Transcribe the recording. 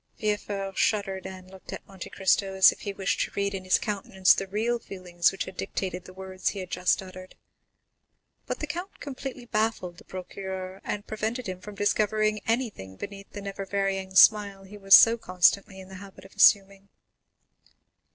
Villefort shuddered and looked at Monte Cristo as if he wished to read in his countenance the real feelings which had dictated the words he had just uttered. But the count completely baffled the procureur, and prevented him from discovering anything beneath the never varying smile he was so constantly in the habit of assuming.